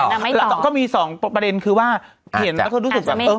อ่าอ่าที่มันไม่ตอบก็มีสองประเด็นคือว่าเห็นแล้วก็รู้สึกแบบ